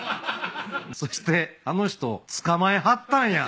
そしてあの人捕まえはったんやってのが。